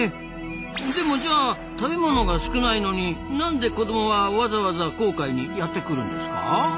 でもじゃあ食べ物が少ないのになんで子どもはわざわざ紅海にやってくるんですか？